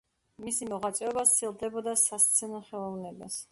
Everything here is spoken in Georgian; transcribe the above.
მისი მოღვაწეობა სცილდებოდა სასცენო ხელოვნებას.